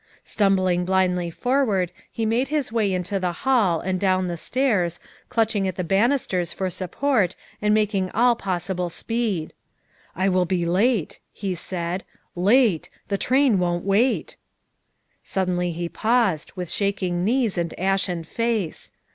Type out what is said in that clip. Stumbling blindly forward, he made his way into the hall and down the stairs, clutching at the banisters for support and making all possible speed. "I'll be late," he said, "late. The train won't wait." Suddenly he paused, with shaking knees and ashen face.